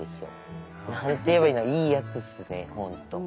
何て言えばいいんだろういいやつっすね本当。